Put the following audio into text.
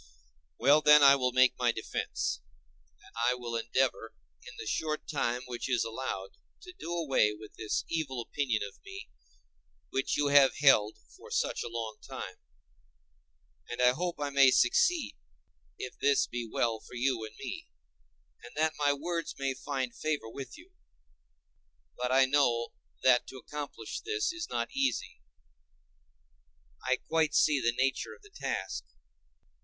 Well, then, I will make my defence, and I will endeavor in the short time which is allowed to do away with this evil opinion of me which you have held for such a long time; and I hope I may succeed, if this be well for you and me, and that my words may find favor with you. But I know that to accomplish this is not easy—I quite see the nature of the task.